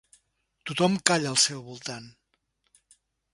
Tothom calla al seu voltant.